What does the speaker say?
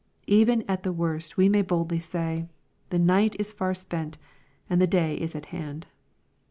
Even at the worst we may boldly say, " The night is far spent and the day is at hand."